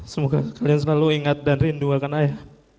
semoga kalian selalu ingat dan rindukan saya